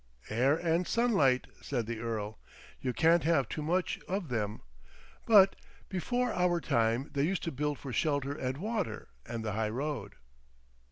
"Air and sunlight," said the earl. "You can't have too much of them. But before our time they used to build for shelter and water and the high road."